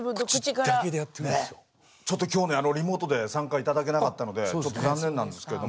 ちょっと今日ねリモートで参加頂けなかったのでちょっと残念なんですけども。